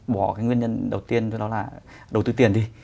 bỏ cái nguyên nhân đầu tiên với đó là đầu tư tiền đi